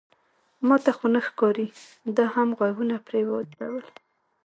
ما ته خو نه ښکاري، ده هم غوږونه پرې ودرول.